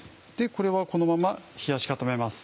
これはこのまま冷やし固めます。